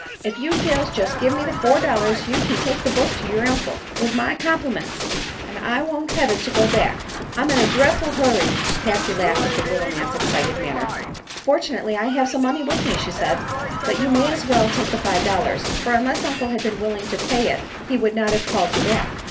Ef you gals'll jest give me the four dollars ye kin take the book to yer uncle, with my compliments; an' I won't hev t' go back. I'm in a drea'ful hurry." Patsy laughed at the little man's excited manner. "Fortunately I have some money with me," she said; "but you may as well take the five dollars, for unless Uncle had been willing to pay it he would not have called you back."